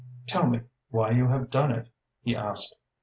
"Tell me why you have done it?" he asked.